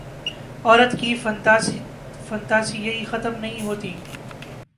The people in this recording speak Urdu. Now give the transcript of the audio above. عورت کی فنتاسی یہیں ختم نہیں ہوتی۔